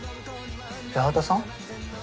八幡さん？